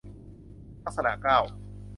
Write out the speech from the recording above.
ลักษณะเก้า